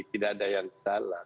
tidak ada yang salah